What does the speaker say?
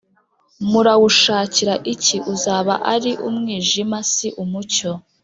murawushakira iki Uzaba ari umwijima si umucyo